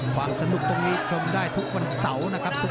ความสนุกตรงนี้ชมได้ทุกวันเสาร์นะครับ